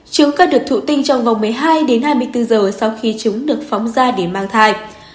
trứng cất được thụ tinh trong vòng một mươi hai đến hai mươi bốn giờ sau khi trứng được phóng ra để mang thai